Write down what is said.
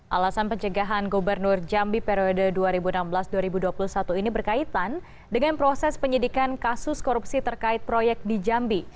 alasan pencegahan gubernur jambi periode dua ribu enam belas dua ribu dua puluh satu ini berkaitan dengan proses penyidikan kasus korupsi terkait proyek di jambi